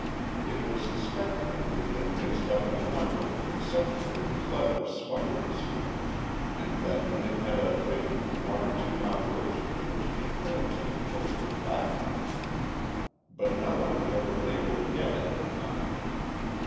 It was suspected that he had been mixed up in a number of exceptionally clever smuggling schemes and that he had had a finger in one or two operations which came perilously close to blackmail. But no one had ever been able to get anything on him.